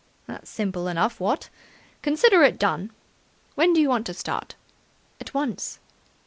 "That's simple enough, what? Consider it done. When do you want to start?" "At once."